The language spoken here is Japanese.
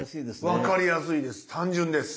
分かりやすいです